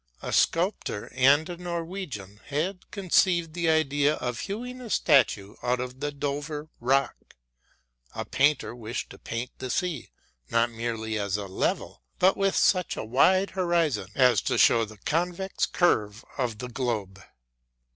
A sculptor and a Norwegian had conceived the idea of hewing a statue out of the Dovre rock; a painter wished to paint the sea not merely as a level, but with such a wide horizon as to show the convex curve of the globe.